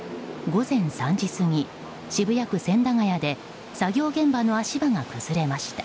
午前３時過ぎ渋谷区千駄ヶ谷で作業現場の足場が崩れました。